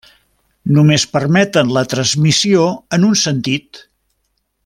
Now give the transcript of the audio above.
Només permeten la transmissió en un sentit.